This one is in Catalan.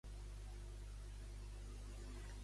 Cs veta Ciscar, que renuncia presidir la Diputació d'Alacant.